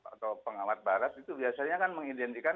atau pengawat barat itu biasanya kan mengidentikan dengan